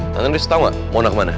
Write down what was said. tangan andries tau gak mona kemana